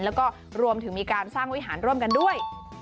แล้วก็รวมถึงมีการสร้างวิหารร่วมกันด้วย